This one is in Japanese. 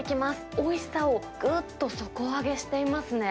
おいしさをぐっと底上げしていますね。